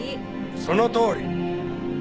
そのとおり！